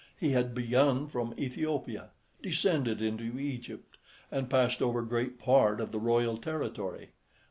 He had begun from AEthiopia, descended into Egypt, and passed over great part of the royal territory.